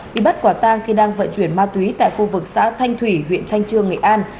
bị bắt quả tang khi đang vận chuyển ma túy tại khu vực xã thanh thủy huyện thanh trương nghệ an